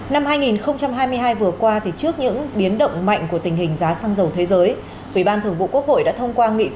năm hai nghìn hai mươi hai vừa qua trước những biến động mạnh của tình hình giá xăng năng